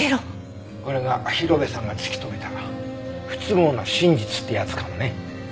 これが広辺さんが突き止めた不都合な真実ってやつかもね。